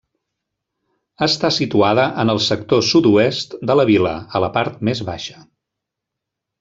Està situada en el sector sud-oest de la vila, a la part més baixa.